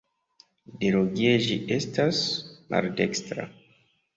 Ideologie ĝi estas maldekstra.